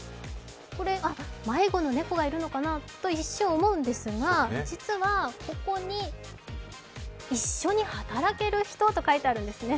これ、迷子の猫がいるのかな？と一瞬思うんですが、実は、ここに「一緒に働ける人」と書いてあるんですね。